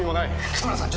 勝村さん